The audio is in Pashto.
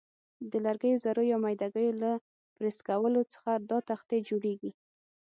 د لرګیو ذرو یا میده ګیو له پرس کولو څخه دا تختې جوړیږي.